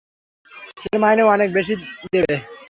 এরা মাইনে অনেক বেশি দেবে।